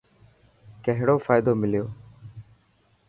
ڪهڙو فائدو مليو؟